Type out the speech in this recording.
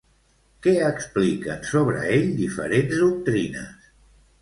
Què expliquen sobre ell diferents doctrines?